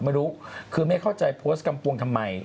ไม่รู้คือไม่เข้าใจโพสต์กำปวงทำไม